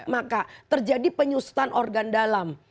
maka terjadi penyusutan organ dalam